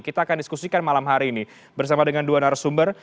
kita akan diskusikan malam hari ini bersama dengan dua narasumber